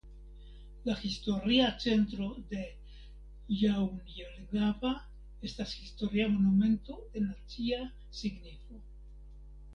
La historia centro de Jaunjelgava estas historia monumento de nacia signifo.